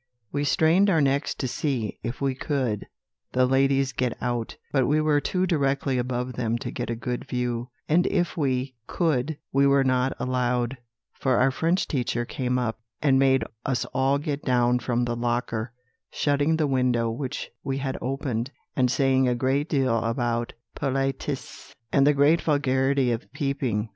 "We strained our necks to see, if we could, the ladies get out, but we were too directly above them to get a good view; and if we could, we were not allowed, for our French teacher came up, and made us all get down from the locker, shutting the window which we had opened, and saying a great deal about 'politesse' and the great vulgarity of peeping.